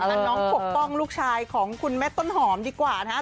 แล้วน้องปกป้องลูกชายของคุณแม่ต้นหอมดีกว่านะครับ